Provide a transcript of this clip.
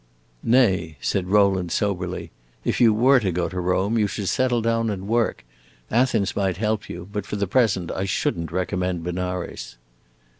"Nay," said Rowland soberly, "if you were to go to Rome, you should settle down and work. Athens might help you, but for the present I should n't recommend Benares."